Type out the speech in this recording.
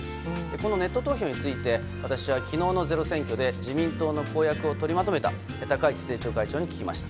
このネット投票について私は昨日の「ｚｅｒｏ選挙」で自民党の公約を取りまとめた高市政調会長に聞きました。